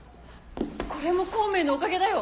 これも孔明のおかげだよ。